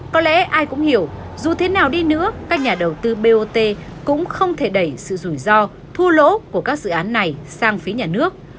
có lẽ ai cũng hiểu dù thế nào đi nữa các nhà đầu tư bot cũng không thể đẩy sự rủi ro thu lỗ của các dự án này sang phía nhà nước